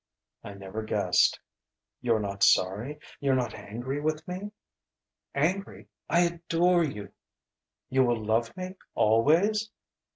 "I never guessed...." "You're not sorry? You're not angry with me ?" "Angry? I adore you!" "You will love me always?"